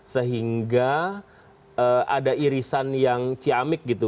sehingga ada irisan yang ciamik gitu